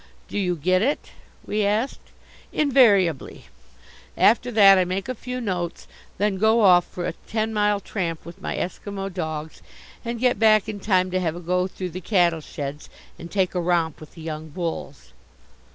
"Do you get it?" we asked. "Invariably. After that I make a few notes, then go off for a ten mile tramp with my esquimaux dogs, and get back in time to have a go through the cattle sheds and take a romp with the young bulls."